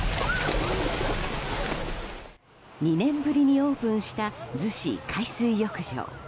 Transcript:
２年ぶりにオープンした逗子海水浴場。